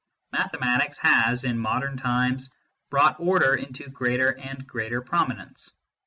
Mathematics has, in modern times, brought order into greater and greater prominence.